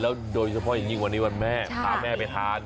โดยเฉพาะอย่างยิ่งวันนี้วันแม่พาแม่ไปทาน